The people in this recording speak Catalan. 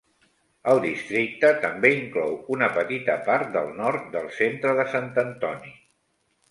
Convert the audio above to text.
El districte també inclou una petita part del nord del centre de Sant Antoni.